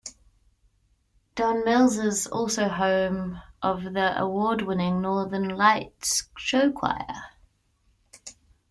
Don Mills is also home of the award-winning Northern Lights Show Choir.